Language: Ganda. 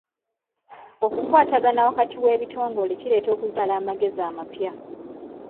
Okukwatagana wakati w'ebitongole kireeta okuzaala amagezi amapya.